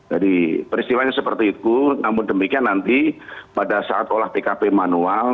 jadi peristiwanya seperti itu namun demikian nanti pada saat olah tkp manual